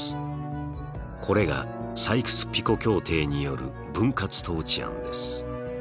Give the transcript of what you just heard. これがサイクス・ピコ協定による分割統治案です。